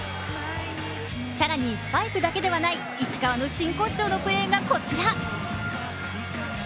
更に、スパイクだけではない、石川の真骨頂のプレーがこちら。